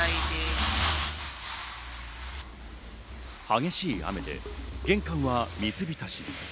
激しい雨で玄関は水浸し。